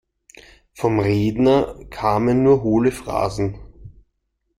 Vom Redner kamen nur hohle Phrasen.